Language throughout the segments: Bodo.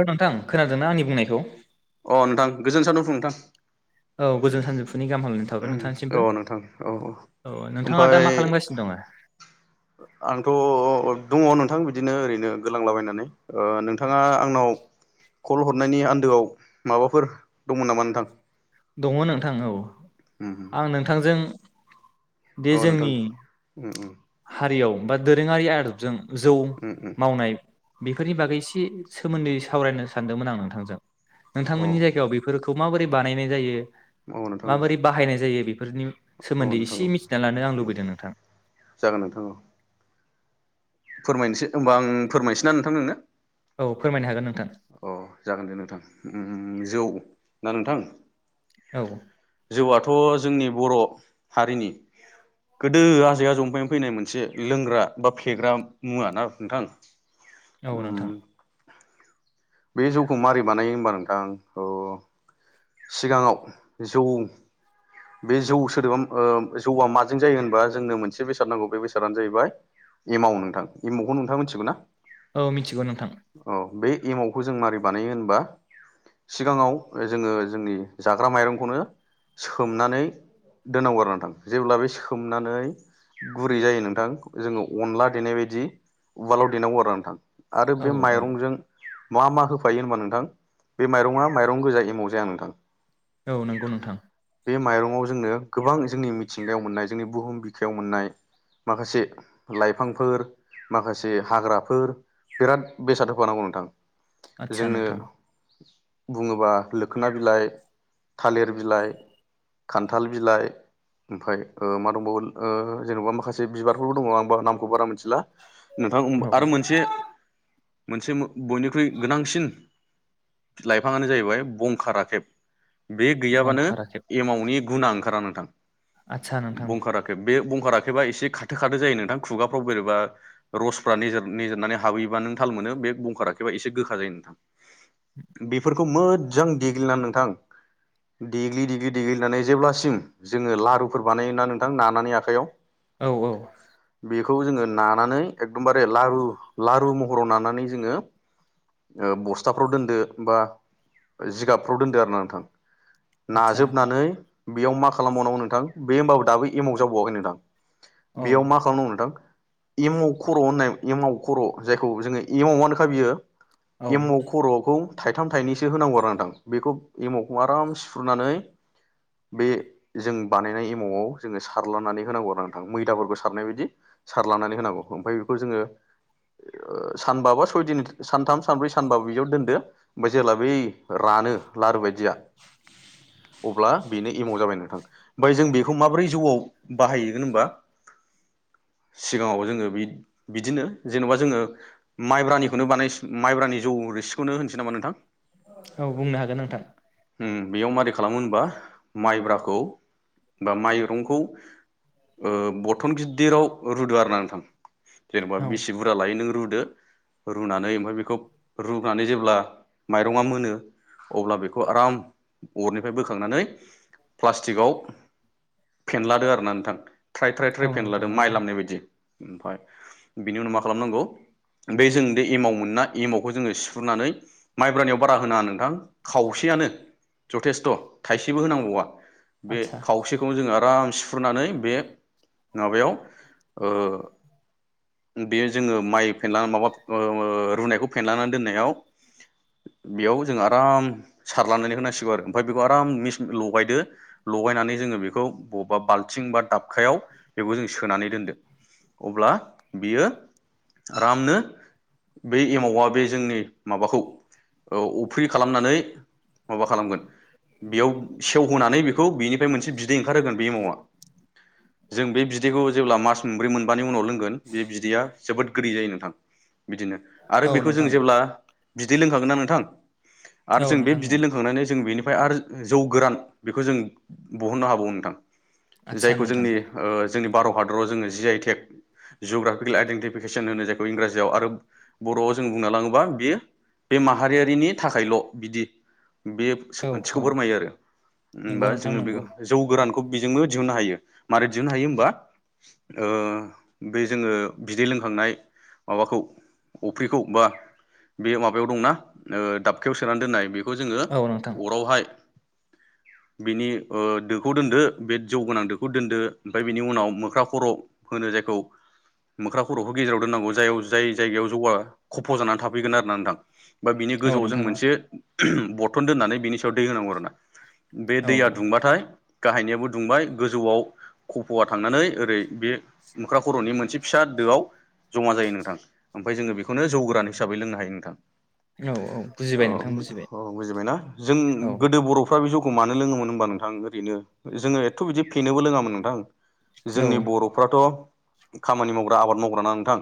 औ नोंथां खोनादोंना आंनि बुंनायखौ अ नोंथां गोजोन [unintelligible] बुं नोंथां औ गोजोन सानजौफुनि गाहाम हामलायनाय थाबाय नोंथांसिमबो [unintelligible] औ नोंथां औ औ नोंथाङा ओमफाय दा मा खालामगासिनो दङ आंथ' दङ नोंथां बिदिनो ओरैनो गोलांलाबायनानै ओ नोंथाङा आंनाव कल हद हरनायनि आन्दोआव माबाफोर दंमोन नामा नोंथां दङ नोंथां औ आं नोंथांजों दे औ नोंथां जोंनि उम उम हारियाव बा दोरोङारि आदबजों जौ उम उम मावनाय बेफोरनि बागै एसे सोमोन्दै सावरायनो सानदोंमोन आं नोंथांजों औ नोंथांमोननि जायगायाव बेफोरखौ खौ माबोरै बानायनाय जायो औ नोंथां औ माबोरै बाहायनाय जायो बे फोरनि औ सोमोन्दै नोंथां इसे औ मिथिना लानो आं लुबैदों नोंथां [unintelligible] फोरमायनोसो होनबा आं फोरमायसैना नोंथां नोंनो औ फोरमायनो हागोन नों अ जागोन दे नोंथां। ना नोंथां। औ जौआथ जोंनि बर हारिनि गोदो आजै आजौनिफ्रायनो फैनाय मोनसे लोंग्रा बा फेग्रा मुवा ना नोंथां? औ नोंथां। उम बे जौखौ मारै बानायो होमबा नोंथां? सिगाङाव जौ बे जौ सोदोबा ओ जौआ माजों जायो होनबा जोंनो मोनसे बेसाद नांगौ बे बेसादानो जाहैबाय एमाव नोंथां एमावखौ नोंथाङा मिथिगौ ना? औ मिथिगौ नोंथां। औ बे एमावखौ जों मारै बानायो होनबा सिगाङाव जोङो जोंनि जाग्रा माइरंखौनो सो सोमनानै दोननांगौ आरो नोंथां जेब्ला बे सोमनानै गुरै जायो नोंथां जोङो अनला देनायबायदि उवालाव देनांगौ आरो नोंथां। आरो औ बे औ माइरंजों मा मा होफायो होनबा नोंथां बे माइरङा माइरं गोजा एमाव जाया नोंथां। औ नंगौ नोंथां। बे माइरंआव जोंनो गोबां जोंनि मिथिंगायाव मोननाय जोंनि बुहुम बिखायाव मोननाय माखासे लाइफांफोर माखासे हाग्राफोर बिराद बेसाद होफानांगौ नोंथां। आदसा जोंनो नोंथां बुङोबा लोखोना बिलाइ, थालिर बिलाइ खान्थाल बिलाइ ओमफ्राय मा ओ दंबावो ओ जेनबा माखासे बिबारफोरबो दङ आंबा नामखौ बारा मोनथि ला नोंथां औ आरो मोनसे मोनसे बयनिख्रुइ गोनांसिन लाइफाङानो जाहैबाय बंखा राखेब। बे गैयाबानो बंखाराखेब एमावनि गुना ओंखारा नोंथां। आदसा नोंथां। बंखा राखेब बे बंखा राखेबा एसे खाथो खाथो जायो नोंथां खुगाफ्राव बोरैबा रसफ्रा निजेर-निजेरनानै हाबहैबा नों थाल मोनो बे बंखार राखैबा एसे गोखा जायो नोंथां। बेफोर खौ मोजां देग्लिनानै नोंथां देग्लि देग्लि देग्लिनानै जेब्लासिम जोङो लारुफोर बानायोना नोंथां नानानै आखाइयाव औ औ। खौ जोङो नानानै एकदमबारे लारु लारु महराव नानानै जोङो ओ बस्थाफ्राव दोनदो बा जिगाबफ्राव दोनदो आरो ना नोंथां। आदसा नोंथां नाजोबनानै बेयाव मा खालामबावनांगौ नोंथां बे होमबाबो दाबो एमाव जाबावाखै नोंथां। औ बेयाव मा खालामनांगौ नोंथां? एमाव खर' होननाय एमाव खर' जायखौ जोङो एमावानोखा बियो औ एमाव खरखौ थाइथाम थाइनैसो होनांगौ आरो नोंथां बेखौ एमावखौ आराम सिफ्रुनानै बे जों बानायनाय एमावआव जोङो सारलानानै होनांगौ आरो नोंथां मैदाफोरखौ सारनाय बायदि सारलानानै होनांगौ ओमफ्राय बेखौ जोङो ओ सानबा बा सयदिन सानथाम सानब्रै सानबा बिदियाव दोनदो ओमफ्राय जेला बै रानो लारु बायदिया अब्ला बेनो एमाव जाबाय नोंथां। ओमफ्राय जों बेखौ माब्रै जौआव बाहायगोन होनबा सिगाङाव जोङो बि-बिदिनो जेनबा जोङो माइब्रानिखौनो बानायफिन माइब्रानि जौ रोसिखौनो होननोसै नामा नोंथां? औ बुंनो हागोन नोंथां। उम बेयाव मारै खालामो होनबा माइब्राखौ बा माइरंखौ ओ बथन गिददिराव रुदो आरो ना नोंथां। जेनेबा औ बिसे बुरजा लायो नों रु दो रुनानै ओमफ्राय बे बेखौ रुनानै जेब्ला माइरङा मोनो अब्ला बेखौ आराम अरनिफ्राय बोखांनानै प्लास्टिकआव फेनलादो आरो ना नोंथां। थ्राय थ्राय थ्राय औ नोंथां फेनलादो औ माइ लामनाय बायदि ओमफाय बिनि उनाव मा खालामनांगौ बे जों बे एमाव मोननाय एमावखौ जोङो सिफ्रुनानै माइब्रानियाव बारा होनाङा नोंथां खावसेयानो जथेस्थ' थाइसेबो होनांबावा बे आदसा खावसेखौनो जोङो आराम फुनानै बे माबायाव ओ बेयो जोङो माइ फेनलाना माबा ओ ओ रुनायखौ फेनलानानै दोननायाव बेयाव जों आराम सारलानानै होनांसिगौ ओमफ्राय बिखौ आराम मिस-लगायदो लगायनानै जों बिखौ बबेबा बालथिं एबा दाबखायाव बेखौ जों सोनानै दोनदो अब्ला बेयो आरामनो बे एमावा बे जोंनि माबाखौ ओ अफ्रि खालामनानै माबा खालामगोन बेयाव सेवहोनानै बेखौ बेनिफ्राय मानसे बि बिदै ओंखारहोगोन बे एमावा जों बे बिदैखौ जेब्ला मास मोनब्रै मोनबानि उनाव लों गोन बे बिदैया जोबोद गोदै जायोनो। थां बिदिनो आरो औ बेख होजों नोंथां जेब्ला बिदै लोंखागोन ना नोंथां? आरो औ जों बे नोंथां बिदै औ लोंखांनानै जों बेनि ओमफ्राय आरो जौ गोरान बेखौ जों बहननो हाबावो नोंथां। आदसा जायखौ नोंथां जोंनि ओ जोंनि भारत हादराव जोङो G I tag geographical identification होनो जायखौ इंराजियाव आरो बर' जों बुंना लाङोबा बेयो बे माहारियारिनि थाखायल' बिदि बे औ ओंथिखौ औ फोरमायो आरो नंगौ होमबा नोंथां जोङो बे नंगौ जौ गोरानखौ बेजोंनो दिहुननो हायो मारै दिहुननो हायो होमबा ओ बे जोङो बिदै लोंखांनाय माबाखौ अ फ्रिखौ बा बे माबायाव दंना ओ दाबखायाव सोनानै दोननाय बे बेखौ जोङो औ नोंथां अरावहाय बिनि ओ दोखौ दोनदो बे जौ गोनां दोखौ दोनदो ओमफ्राय बिनि उनाव मोख्रा खर होनो जायखौ मोख्रा खर'खौ गेजेराव दोननांगौ जायाव जाय जाय जायगायाव जौवा खफ जानानै थाफैगोन आरो ना नोंथां। बा बिनि औ गोजौआव जों नोंथां औ मोनसे बथन दोननानै बिनि सायाव दै होनांगौ आरोना बे औ दैया दुंबाथाय गाहायनियाबो दुंबाय गोजौआव खफआ थांनानै ओरै बे मोख्रा खर'नि मोनसे फिसा दोआव जमा जायो नोंथां। ओमफाय जोङो बेख बेखौनो जौ गोरान हिसाबै लोंनो हायो नोंथां। औ औ बुजिबाय ओ नोंथां बुजिबाय औ बुजिबायना जों औ गोदो बर'फ्रा बे जौ मानो लोङोमोन होनबा नोंथां ओरैनो जोङो एथ' बिदि फेनोबो लोङामोन नोंथां औ जोंनि बरफ्राथ' खामानि मावग्रा आबाद माव अब्लाना नोंथां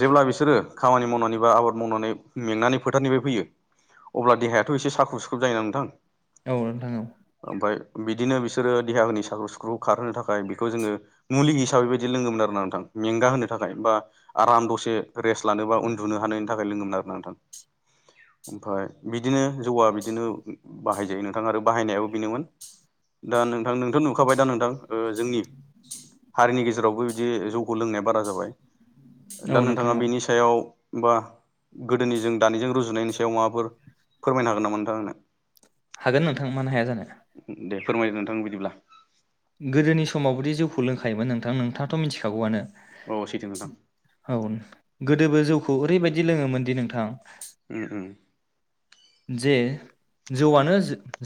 जेब्ला बिसोरो खामानि मावनानै बा आबाद मावनानै मेंनानै फोथारनिफ्राय फैयो अब्ला देहायाथ एसे साख्रुब सुख्रुब जायोना नोंथां? औ नोंथां औ। ओमफ्राय बिदिनो बिसोरो देहाफोरनि साख्रु सिुख्रु खारहोनो थाखाय बेखौ जोङो मुलि हिसाबै बिबायदि लोङोमोन आरो ना नोंथां मेंगा होनो थाखाय बा आराम दसे रेस लानोबा उन्दुनो हानायनि थाखाय लोंङोमोन आरो नोंथां ओमफ्राय बिदिनो जौआ बिदिनो बाहायजायो नोंथां आरो बाहायनायाबो बेनोमोन दा नोंथां नोंथ' नुखाबाय दा नोंथां जोंनि हारिनि गेजेरावबो बिदि जौखौ लोंनाया बारा जाबाय। दा औ नोंथां नोंथाङा औ बेनि याव बा गोदोनि जों दानिजों रुजुनायनि सायाव माबाफोर फोरमायनो हागोन नामा नोंथां आंनो? हागोन नोंथां मानो हाया जानो। दे फोरमायदो नोंथां बिदिब्ला। गोदोनि समावबोदि जौखौ लोंखायोमोन नोंथां नोंथाङाथ' मिथिखागौआनो। औ सैथो नोंथां औ गोदोबो जौखौ ओरैबायदि दि लोङोमोन दि नोंथां उम उम जे जौआनो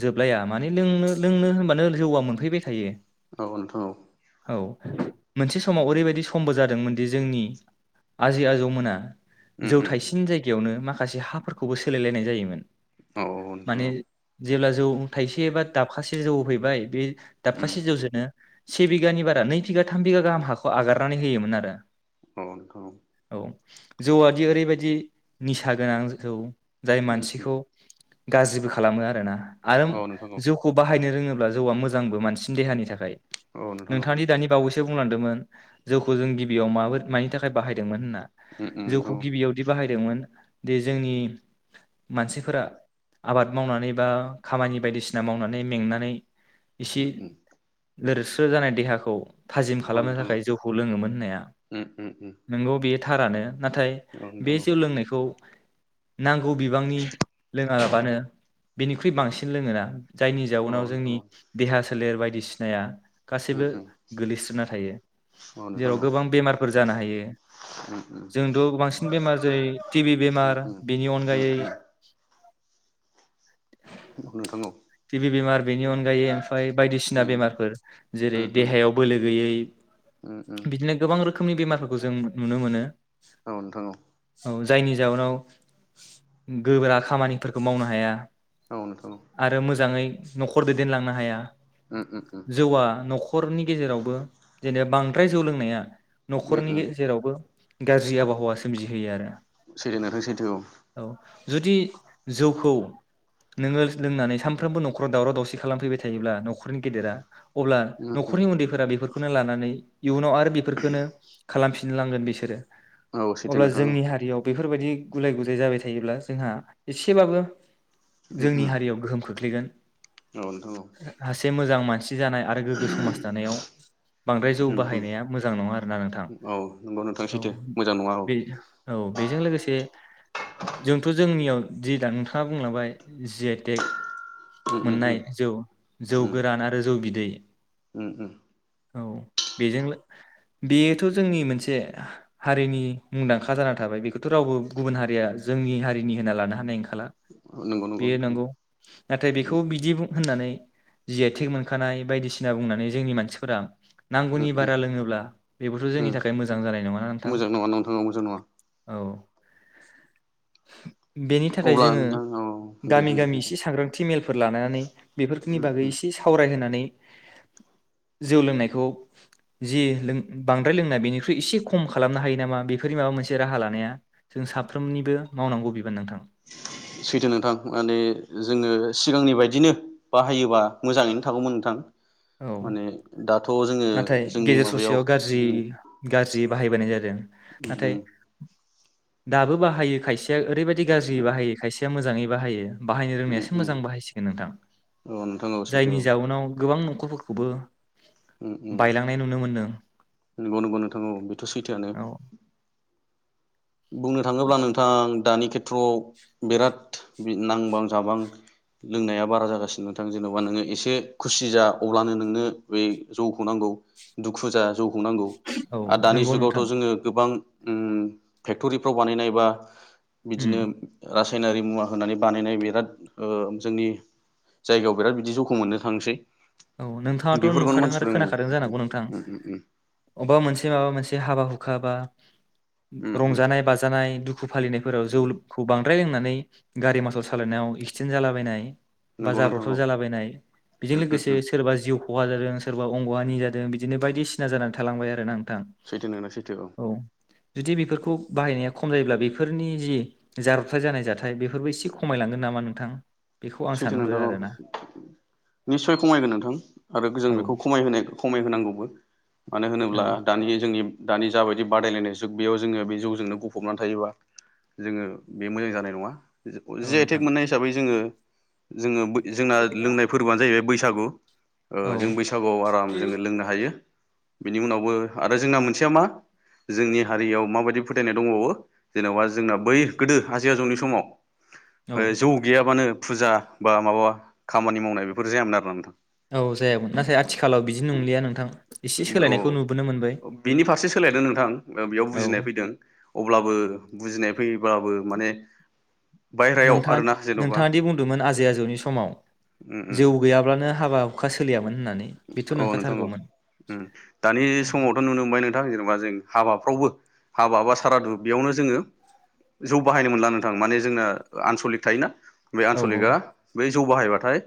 जोबलाया माने लोंनो लोंनो होनबानो जौआ मोनफैबाय थायो। औ नोंथां औ। औ मोनसे समाव ओरैबायदि समबो जादोंमोनदि जोंनि आजै आजौमोना उम जौ उम थायासेनि जायगायावनो माखा माखासे हाफोरखौबो सोलायलायनाय जायोमोन। औ औ माने नोथां औ। जेब्ला जौ थाइसे एबा दाबखासे जौ हैबाय बे उम दाबखाासे जौजोनो से बिघानि बारा नै बिघा थाम बिगा गाहाम हाखौ आगारनानै होयोमोन आरो। औ नोथां‌ औ जौ आदि ओरैबायदि निसा गोनां जोंखौ जाय उम उम मानसिखौ गाज्रिबो खालामो आरोना। आरोम औ नोंथां औ जौखौ बाहायनो रोङो। जौआ मोजांबो मानसिनि देहानि थाखाय। औ नोंथां औ नोंथांनि दानि बावैसो बुंलांदोंमोन जौखौ जों गिबियाव मबो मानि थाखाय बाहायदोंमोन होनना। उम उम नोंथां जौखौ औ गिबियावदि बाहायदोंमोन। दि जोंनि मानसि फोरा आबाद मावनानै बा खामानि बायदिसिना मावनानै मेंनानै इसि उम उम लोरस्रो जानाय देहाखौ थाजिम औ खालामनो नोंथां औ थाखाय जौखौ लोङोमोन होननाया उम उम उम नोंगौ बे थारानो नाथाय औ नोंथां बे औ जौ लोंनायखौ नांगौ बिबांनि लोङालाबानो बिनिख्रुइ बांसिन लोङोना। जायनि औ जाउनाव नोंथां जोंनि औ देहा सो सोलेर बायदिसिनाया उम गासैबो उम गोलैस्रोना थायो औ नोंथां जेराव औ गोबां बेमारफोर जानो हायो उम उम जोंथ' बांसिन बेमार जेरै टिभि उम औ नोंथां औ उम बेमार औ नोंथां औ नोंथां औ उम बेनि अनगायै उम उम नोंथां औ। टिभि बेमार बेनि अनगायै ओमफाय बायदिसिना बेमारफोर जेरै देहायाव बोलो गैयै बिदिनो गोबां रोखो खोमनि बेमारफोरखौ जों नुनो मोनो। औ नोंथां औ। औ जायनि जाउनाव गोब्रा खामानिफोरखौ मावनो हाया। आरो मोजाङै। न'खर दैदेनलांनो हाया। जौवआ न'ख हरनि गेजेरावबो जेनेबा बांद्राय जौ लोंनाया न'खरनि उम गेजेरावबो गाज्रि आबहावा सोमजिहोयो आरो सैथो नोंथां सैथो औ। जुदि जौखौ नोङो लोंनानै सानफ्रोमबो न'खराव दावराव दावसि खालामफैबाय थायोब्ला न'खरनि गेदेरा। अब्ला उम उम न'खरनि उन्दैफोरा बेफोर खौनो लानानै इयुनाव आरो बेफोरखोनो खालामफिन फिनलांगोन बिसोरो औ सैथो अब्ला नोंथां औ जोंनि हारियाव बेफोरबायदि गुलाय गुजाय जाबाय थायोब्ला जोंहा एसेब्लाबो उम जोंनि उम हारियाव गोहोम खोख्लै ख्लैगोन औ नोंथां औ [unintelligible] मोजां मानसि जानाय आरो गोग्गो समाज जानायाव बांद्राय जौ उम उम बाहायनाया मोजां नङा आरोना नोंथां औ नंगौ नोंथां औ सैथो मोजां नङा औ बे औ बेजों लोगोसे जोंथ' जोंनियाव जि दा नोंथाङा बुंलाबाय जि आइ टेक उम उम उम मोननाय जौ जौ उम गोरान आरो जौ बिद दै उम उम औ बेजों बेयोथ' जोंनि मोनसे हारिनि मुंदांखा जानानै थाबाय बेखौथ' रावबो गुबुन हारिया जोंनि हारिनि होनना लानो हा हानाय ओंखाला नंगौ बे नोंथां नंगौ नाथाय उम बेखौ बिदि बुं होननानै जि आइ थेग मोनखानाय बायदिसिना बुंनानै जोंनि मानसिफोरा उम नांगौनि उम बारा लोङोब्ला बेबोथ जोंनि उम थाखाय मोजां जानाय नङाना नोंथां। मोजां नङा नोंथां औ मोजां नङा औ बेनि थाखाय अब्ला जोङो नोंथां औ दे गामि होन दे गामि नोंथां एसे सांग्रांथि मेल फोर लानानै बेफोरनि उम बागै उम एसे सावरायहोनानै जौ लोंनायखौ जि बांद्राय लोंनाय बेनिख्रुइ एसे खम खालामनो हायो नामा बेफोरनि माबा मोनसे राहा लानाया जों साफ्रोमनिबो मावनांगौ बि गोन नोंथां सैथो नोंथां माने जोङो सिगांनि बायदिनो बाहायोबा मोजाङैनो थागौमोन नोंथां। औ माने दाथ' जोङो नाथाय जोंनि गेजेर माबायाव ससेयाव गारजि उम गारजियै बाहायबोनाय जादों उम नाथाय उम दाबो बाहाय बाहायो खायसेया ओरैबायदि बायदि गाज्रि बाहायो खायसेया मोजाङै बाहायो बाहायनो उम रोंनायासो उम मोजां बाहायसिगोन नोंथां औ नोंथां औ सैथो जायनि जाउनाव गोबां [unintelligible] फोरखौबो ओम ओम नंगौ नंगौ नोंथां बेथ' सैथोआनो। औ बुंनो थाङोब्ला नोंथां दानि खेथ्रआव बिराद नांबां जाबां लोंनाया बारा जागासिनो नोंथां जेनबा नोङो एसे खुसि जा अब्लानो नोंनो बे जौखौ नांगौ दुखु जा जौखौ नांगौ औ आरो दानि नंगौ नोंथां जुगावथ' जोङो गोबां उम फेक्टरिफ्राव बानायनाय बा उम बिदिनो राज सायनारि मुवा होननानै बानायनाय बिराद ओ जोंनि जायगायाव बिराद बिदि जौखौ मोननो थांसै। औ नोंथाङाथ' बेफोरखौनो नुखादों आरो मानसिफोर उम खोनाखादों जानांगौ नोंथां उम उम अबबा मोनसे माबा मोनसे हाबा हु खा बा उम उम रंजानाय बाजानाय दुखु फालिनायफोराव जौखौ बांद्राय लोंनानै गारि मथर सालायनायाव एक्सिडेन्ट जालाबायनाय। बा नंगौ नोंथां जाब्रथाव औ जालाबायनाय बेजों उम उम लोगोसे [unintelligible] उम सोरबा जिउ खहा जादों सोरबा अंग' हानि जादों बिदिनो बायदिसिना जानानै थालांबाय आरोना। सैथो नोंना सैथो ओं औ जुदि बेफोरखौ बाहायनाया खम जायोब्ला बेफोरनि जि जाब्रथाइ जानाय जाथाय बेफोरबो एसे खमायलांगोन नामा नोंथां? बेखौ आं सैथो सानहरो नोंथां औ आरोना निसय। खमायगोन नोंथां आरो जों औ बेखौ खमायहोनाय-खमायहोनांगौबो मानो होनोब्ला औ दानि जों जोंनि दानि जाबायदि बादायलायनाय जुग बेयाव जोङो बे जौजोंनो गफबनानै थायोबा जोङो बे मोजां जानाय नङा। जि- औ जि आइ नोंथां टेक मोननाय हिसाबै जोङो जोङो बै जोंना लोंनाय फोरबोआानो जाहैबाय बैसाग [unintelligible] ओ औ जों बैसागुआव आराम जोङो लोंनो हायो। बेनि उनावबो आरो जोंना मोनसेया मा? जोंनि हारियाव माबायदि फोथायनाय दंबावो जेनबा जोंना बै गोदो आजै आजौनि समाव औ [unintelligible] जौ गैयाबानो फुजा बा माबा खामानि मावनाय बेफोर जायामोन आरो ना नोंथां। औ जायामोन नाथाय आथिखालाव बिदि नंलिया नों [unintelligible] औ बिनि फारसे सोलायदों नोंथां बेयाव औ बुजिनाय फैदों अब्लाबो बुजिनाय फै बाबो माने बायह्रायाव आरोना जेन'बा नोंथाङा-नोंथाङादि बुंदोंमोन आजै आजौनि समाव उम जौ गैयाब्लानो हाबा हुखा सोलियामोन होननानै। बेथ' अ नोंथां अ नंखाथारगौमोन ओम दानि समावथ' नुनो मोनबाय नों नोंथां जेनेबा जों हाबाफ्रावबो हाबा बा सारादु बेयावनो जोङो जौ बाहायनो मोनला नोंथां माने जोंना आनसलिक थायोना? बे औ औ आनसलिकआ बै जौ बाहायबाथाय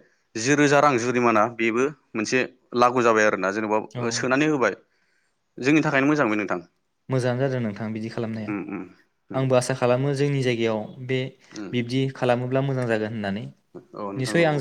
जि रोजा रां जुरिमाना बेबो मोनसे लागु जाबाय आरो। आरोना जेनेबा औ सोनानै होबाय। जोंनि थाखायनो मोजां बे नोंथां। मोजाङानो जादों नोंथां बिदि खालामनाया उम उम उम आंबो आसा खालामो जोंनि जायगायाव बे उम बिब्दि खालामो अब्ला मोजां जागोन। होननानै औ नोंथां निसय औ आं जो औ